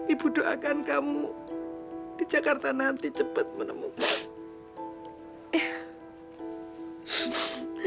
ibu doakan kamu di jakarta nanti cepat menemukan